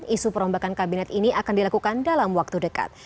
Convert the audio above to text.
isu perombakan kabinet ini akan dilakukan dalam waktu dekat